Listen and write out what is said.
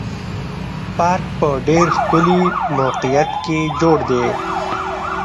پارک په ډېر ښکلي موقعیت کې جوړ دی.